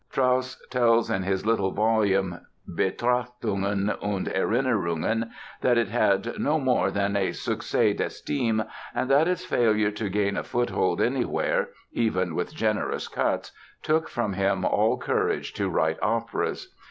Strauss tells in his little volume, Betrachtungen und Erinnerungen, that it had "no more than a succès d'estime and that its failure to gain a foothold anywhere (even with generous cuts) took from him all courage to write operas."